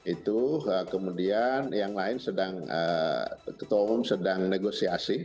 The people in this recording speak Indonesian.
itu kemudian yang lain sedang ketua umum sedang negosiasi